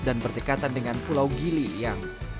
dan berdekatan dengan pulau giliyang